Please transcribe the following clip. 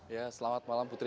ya selamat malam putri